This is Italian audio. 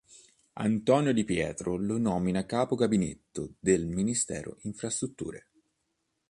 Antonio Di Pietro lo nomina capo gabinetto del ministero Infrastrutture.